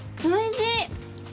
おいしい！